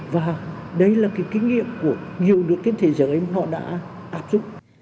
và đấy là cái kinh nghiệm của nhiều nước trên thế giới mà họ đã áp dụng